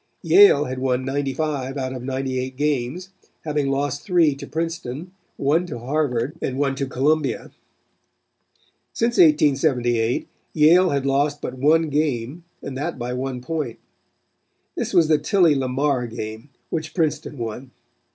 Yale had won 95 out of 98 games, having lost three to Princeton, one to Harvard and one to Columbia. Since 1878 Yale had lost but one game and that by one point. This was the Tilly Lamar game, which Princeton won.